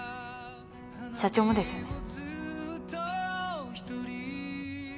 社長もですよね？